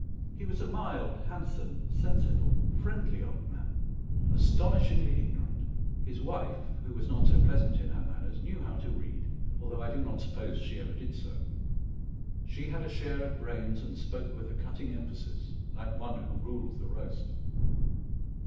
He was a mild, handsome, sensible, friendly old man, astonishingly ignorant. His wife, who was not so pleasant in her manners, knew how to read, although I do not suppose she ever did so. She had a share of brains, and spoke with a cutting emphasis, like one who ruled the roast.